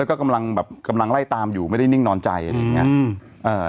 แล้วก็กำลังแบบกำลังไล่ตามอยู่ไม่ได้นิ่งนอนใจอะไรอย่างเงี้ยอืมเอ่อ